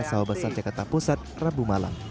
sawah besar jakarta pusat rabu malam